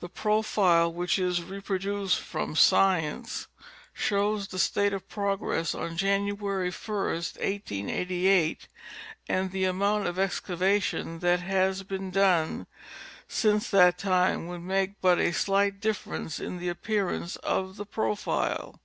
The profile which is reproduced from " Science," shows the state of progress on January 1st, 1888, and the amount of excavation that has been done since that time would make but a slight difference in the appearance of the profile.